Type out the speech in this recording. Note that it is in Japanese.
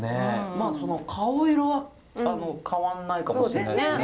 まあ顔色は変わんないかもしれないですね。